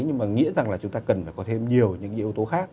nhưng mà nghĩa rằng là chúng ta cần phải có thêm nhiều yếu tố